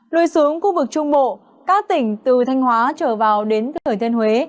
lùi xuống khu vực trung bộ các tỉnh từ thanh hóa trở vào đến thời thiên huế